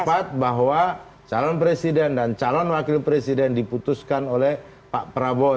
sempat bahwa calon presiden dan calon wakil presiden diputuskan oleh pak prabowo